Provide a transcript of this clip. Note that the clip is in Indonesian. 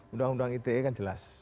undang undang ite kan jelas